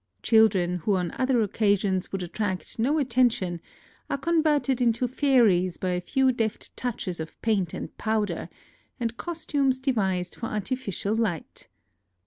Children who on other occasions would attract no attention are con verted into fairies by a few deft touches of paint and powder, and costumes devised for artificial light.